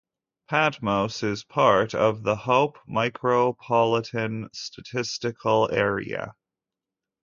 Patmos is part of the Hope Micropolitan Statistical Area.